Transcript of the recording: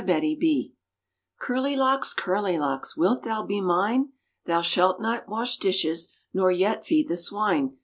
CURLY LOCKS Curly locks! Curly locks! Wilt thou be mine? Thou shalt not wash dishes Nor yet feed the swine.